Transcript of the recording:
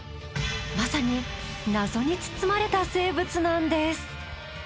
まさに謎に包まれた生物なんです。